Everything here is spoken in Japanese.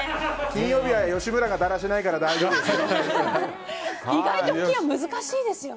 金曜日は吉村がだらしないから大丈夫ですよ。